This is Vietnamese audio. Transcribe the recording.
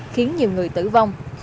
khiến nhiều người tử vong